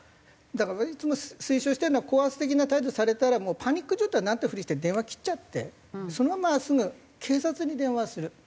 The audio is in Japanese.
だからいつも推奨してるのは高圧的な態度されたらパニック状態になったフリして電話切っちゃってそのまますぐ警察に電話する。